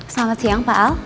selamat siang pak al